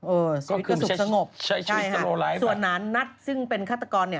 เออเสียวิตก็สุขสงบใช่ฮะส่วนนานนัทซึ่งเป็นฆาตกร